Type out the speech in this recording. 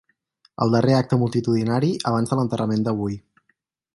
El darrer acte multitudinari abans de l’enterrament d’avui.